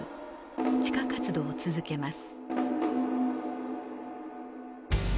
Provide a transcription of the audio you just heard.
地下活動を続けます。